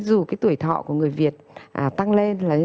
dù cái tuổi thọ của người việt tăng lên